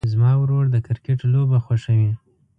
زما ورور د کرکټ لوبه خوښوي.